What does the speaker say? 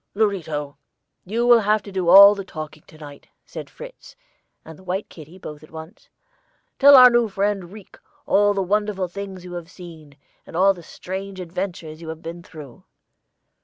"Lorito, you will have to do all the talking to night," said Fritz and the white kitty both at once. "Tell our new friend Rique all the wonderful things you have seen, and all the strange adventures you have been through."